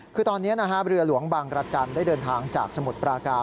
คือตอนนี้เรือหลวงบางรจันทร์ได้เดินทางจากสมุทรปราการ